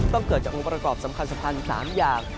เกิดจากองค์ประกอบสำคัญสำคัญ๓อย่าง